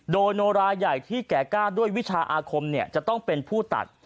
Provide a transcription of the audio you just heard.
โดยโนราใหญ่ที่แก่กล้าด้วยวิชาอาคมจะต้องเป็นผู้ตัด